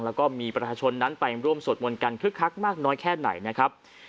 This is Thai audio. แล้วก็มีประชาชนนั้นไปร่วมสวดมนต์กันคึกคักมากน้อยแค่ไหนนะครับ